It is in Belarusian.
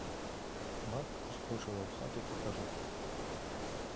Матка ўскочыла ў хату па кажух.